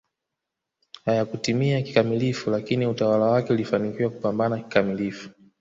hayakutimia kikamilifu lakini utawala wake ulifanikiwa kupambana kikamilifu